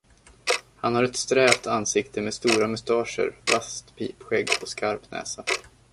Han har ett strävt ansikte med stora mustascher, vasst pipskägg och skarp näsa.